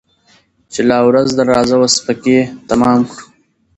چي لا ورځ ده راځه وس پكښي تمام كړو